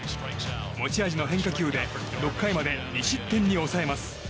持ち味の変化球で６回まで２失点に抑えます。